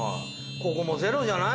ここもゼロじゃない？